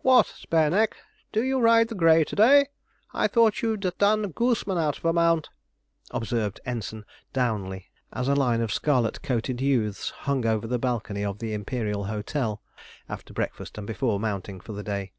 'What, Spareneck, do you ride the grey to day? I thought you'd done Gooseman out of a mount,' observed Ensign Downley, as a line of scarlet coated youths hung over the balcony of the Imperial Hotel, after breakfast and before mounting for the day.